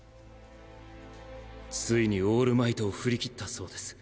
ついにオールマイトを振り切ったそうです。